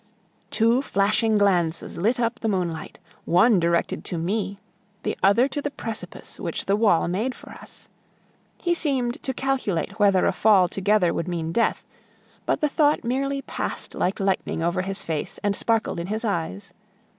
Two flashing glances lit up the moonlight one directed to me, the other to the precipice which the wall made for us. He seemed to calculate whether a fall together would mean death; but the thought merely passed like lightning over his face and sparkled in his eyes.